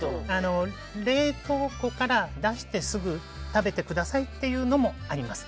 冷凍庫から出してすぐ食べてくださいっていうのもあります。